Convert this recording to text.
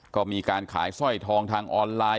ก็มีการขายสร้อยทองทางออนไลน์